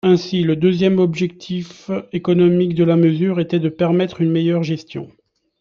Ainsi, le deuxième objectif économique de la mesure était de permettre une meilleure gestion.